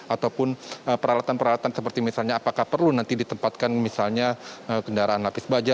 ataupun peralatan peralatan seperti misalnya apakah perlu nanti ditempatkan misalnya kendaraan lapis baja